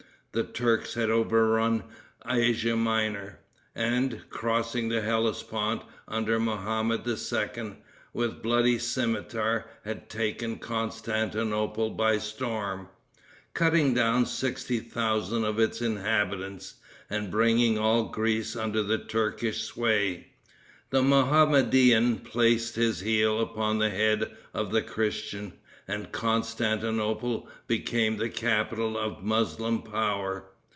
The Turks had overrun Asia Minor, and, crossing the Hellespont under Mohammed II., with bloody cimeter had taken Constantinople by storm, cutting down sixty thousand of its inhabitants, and bringing all Greece under the Turkish sway. The Mohammedan placed his heel upon the head of the Christian, and Constantinople became the capital of Moslem power.